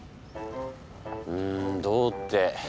うんどうって。